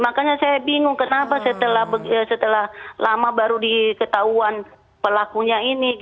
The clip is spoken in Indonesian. makanya saya bingung kenapa setelah lama baru diketahuan pelakunya ini